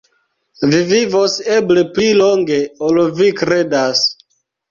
Vi vivos eble pli longe, ol vi kredas.